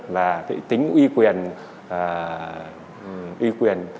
và tính uy quyền